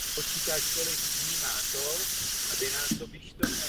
Jako televizní moderátor se poprvé objevil na již zaniklé televizní stanici Luna.